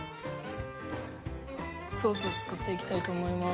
ソース作っていきたいと思います。